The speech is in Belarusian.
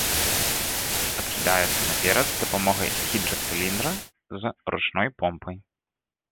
Адкідаецца наперад з дапамогай гідрацыліндра з ручной помпай.